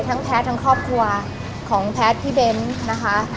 แพทย์ทั้งครอบครัวของแพทย์พี่เบ้นนะคะ